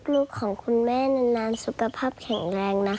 ของคุณแม่นานสุขภาพแข็งแรงนะคะ